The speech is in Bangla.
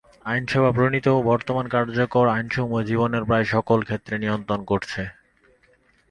আইনসভা প্রণীত ও বর্তমানে কার্যকর আইনসমূহ জীবনের প্রায় সকল ক্ষেত্র নিয়ন্ত্রণ করছে।